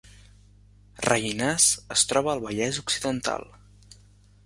Rellinars es troba al Vallès Occidental